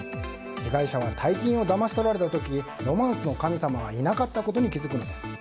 被害者は大金をだまし取られた時ロマンスの神様はいなかったことに気づくのです。